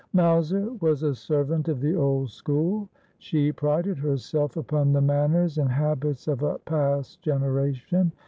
Mowser was a servant of the old school. She prided herself upon the manners and habits of a past generation.